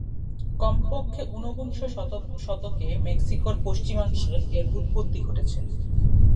কমপক্ষে উনবিংশ শতকে মেক্সিকোর পশ্চিমাংশে এর উৎপত্তি ঘটেছে।